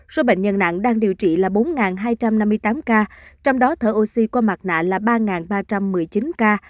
số bệnh nhân nặng đang điều trị là bốn hai trăm năm mươi tám ca trong đó thở oxy qua mặt nạ là ba ba trăm một mươi chín ca